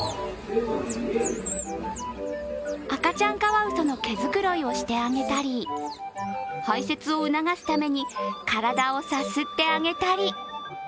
赤ちゃんカワウソの毛づくろいをしてあげたり排せつを促すために体をさすってあげたり。